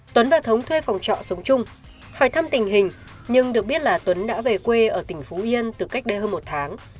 tuấn và thống thuê phòng trọ sống chung hỏi thăm tình hình nhưng được biết là tuấn đã về quê ở tỉnh phú yên từ cách đây hơn một tháng